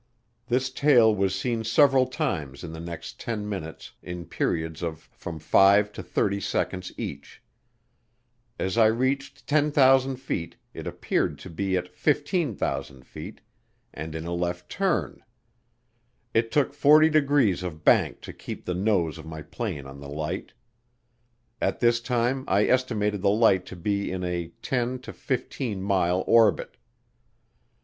This tail was seen several times in the next 10 minutes in periods of from 5 to 30 seconds each. As I reached 10,000 feet it appeared to be at 15,000 feet and in a left turn. It took 40 degrees of bank to keep the nose of my plane on the light. At this time I estimated the light to be in a 10 to 15 mile orbit.